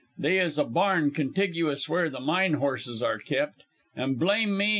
They is a barn contiguous, where the mine horses are kep', and, blame me!